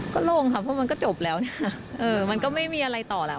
ก็โล่งค่ะเพราะมันก็จบแล้วนะมันก็ไม่มีอะไรต่อแล้ว